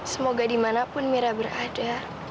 semoga dimanapun mira berada